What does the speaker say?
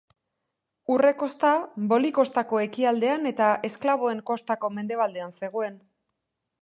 Urre Kosta Boli Kostako ekialdean eta Esklaboen Kostako mendebaldean zegoen.